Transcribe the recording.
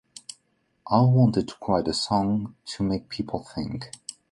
I wanted to write a song to make people think.